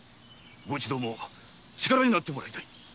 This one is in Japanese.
ご一同も力になってもらいたい。